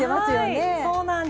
はいそうなんです。